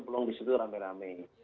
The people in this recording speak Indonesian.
belum di situ rame rame